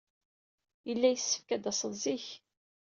Yella yessefk ad d-tased zik.